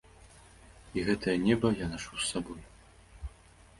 І гэтае неба я нашу з сабой.